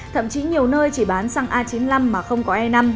thậm chí nhiều nơi chỉ bán xăng a chín mươi năm mà không có e năm